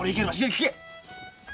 聞け。